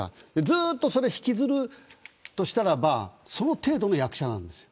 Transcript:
ずっとそれを引きずるとしたらその程度の役者です。